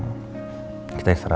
kita istirahat ya